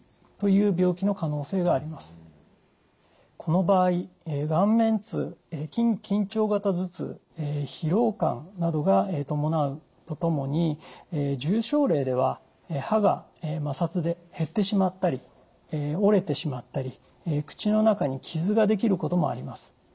この場合顔面痛緊張型頭痛疲労感などが伴うとともに重症例では歯が摩擦で減ってしまったり折れてしまったり口の中に傷ができることもあります。